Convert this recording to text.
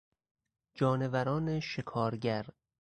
جانوران شکارگر